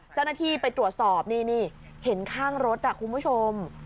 เจ้าหน้าที่ไปตรวจสอบนี่เห็นข้างรถคุณผู้ชม